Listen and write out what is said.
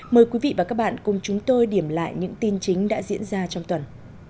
mời quý vị và các bạn cùng chúng tôi điểm lại những tin chính đã diễn ra trong tuần